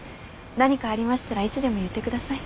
何かありましたらいつでも言って下さい。